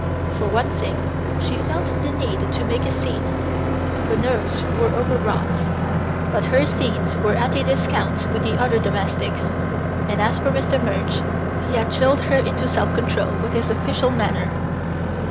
For one thing, she felt the need to make a scene; her nerves were overwrought. But her scenes were at a discount with the other domestics, and as for Mr. Murch, he had chilled her into self control with his official manner.